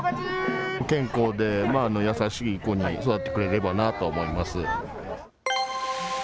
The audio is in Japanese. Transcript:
健康で優しい子に育ってくれればなと思います。